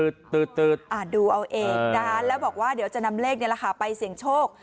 ดูเอาเองนะคะแล้วบอกว่าเดี๋ยวจะนำเลขนี่แหละค่ะไปเสี่ยงโชค